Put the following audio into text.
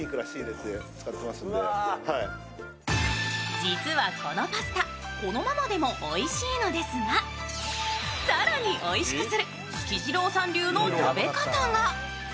実はこのパスタ、このままでもおいしいのですが、更においしくするつきじろうさん流の食べ方が。